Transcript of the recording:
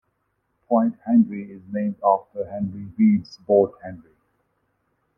Point Henry is named after Henry Reed's boat Henry.